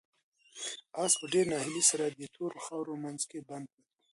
آس په ډېرې ناهیلۍ سره د تورو خاورو په منځ کې بند پاتې و.